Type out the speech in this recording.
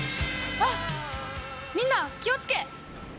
あっみんな気を付け！